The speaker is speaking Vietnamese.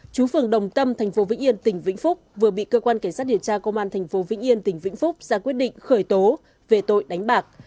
chú phường đồng tâm tp vĩnh yên tỉnh vĩnh phúc vừa bị cơ quan cảnh sát điều tra công an tp vĩnh yên tỉnh vĩnh phúc ra quyết định khởi tố về tội đánh bạc